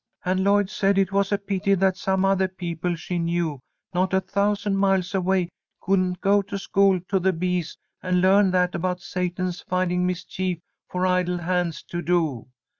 "And Lloyd said it was a pity that some other people she knew not a thousand miles away couldn't go to school to the bees and learn that about Satan's finding mischief for idle hands to do.